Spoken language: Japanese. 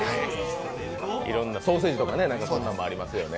ソーセージとかね、そんなのもありますよね。